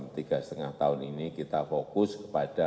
tiga setengah tahun ini kita fokus kepada